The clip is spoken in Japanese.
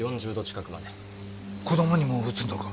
子供にもうつるのか？